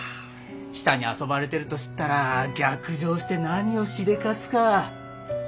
ヒサに遊ばれてると知ったら逆上して何をしでかすか。